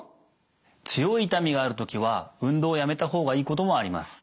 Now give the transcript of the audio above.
強い痛みがある時は運動をやめた方がいいこともあります。